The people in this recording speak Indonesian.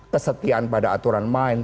kesetiaan pada aturan main